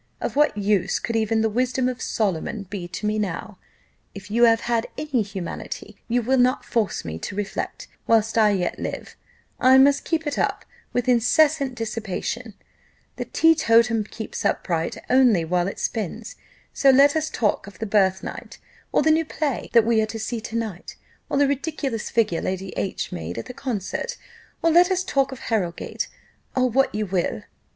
Of what use could even the wisdom of Solomon be to me now? If you have any humanity, you will not force me to reflect: whilst I yet live, I must keep it up with incessant dissipation the teetotum keeps upright only while it spins: so let us talk of the birthnight, or the new play that we are to see to night, or the ridiculous figure Lady H made at the concert; or let us talk of Harrowgate, or what you will."